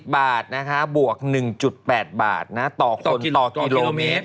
บาทนะคะบวก๑๘บาทต่อคนต่อกิโลเมตร